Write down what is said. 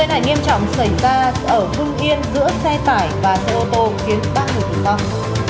vụ tên hành nghiêm trọng xảy ra ở phương yên giữa xe tải và xe ô tô khiến ba người tỉnh tăng